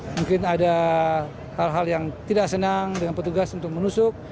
mungkin ada hal hal yang tidak senang dengan petugas untuk menusuk